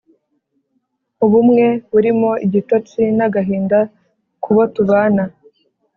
Ubumwe burimo igitotsi n'agahinda ku bo tubana,